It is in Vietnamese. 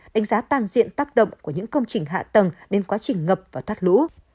đánh giá toàn diện tác động của những công trình hạ tầng đến quá trình ngập và thoát lũ